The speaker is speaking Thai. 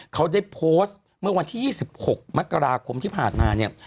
เขาได้โพสต์เมื่อวันที่๒๖มกราคมที่ผ่านมาเนี่ย